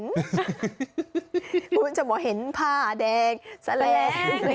เพราะมมือนชาวบ้านเห็นผ้าแดงแซม